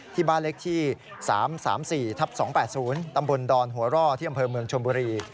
ที่บ้านเล็กที่๓๓๔ทับ๒๘๐ตำบลดอนหัวร่อที่อำเภอเมืองชมบุรี